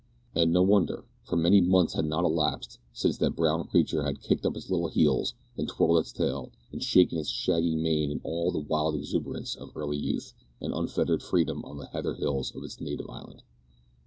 And no wonder; for many months had not elapsed since that brown creature had kicked up its little heels, and twirled its tail, and shaken its shaggy mane in all the wild exuberance of early youth and unfettered freedom on the heather hills of its native island.